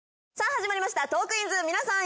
始まりました『トークィーンズ』皆さん